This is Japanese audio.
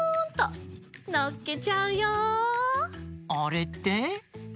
あれって？